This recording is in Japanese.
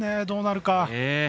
どうなるか。